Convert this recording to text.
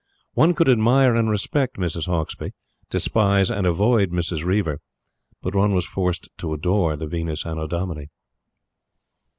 One could admire and respect Mrs. Hauksbee, despise and avoid Mrs. Reiver, but one was forced to adore the Venus Annodomini.